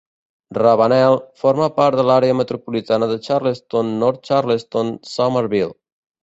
Ravenel forma part de l'àrea metropolitana de Charleston-North Charleston-Summerville.